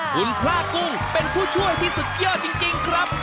คุณพระกุ้งเป็นผู้ช่วยที่สุดยอดจริงครับ